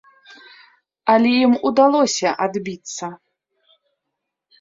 Але ім удалося адбіцца.